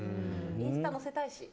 インスタ載せたいし。